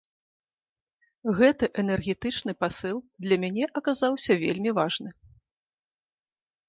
Гэты энергетычны пасыл для мяне аказаўся вельмі важны.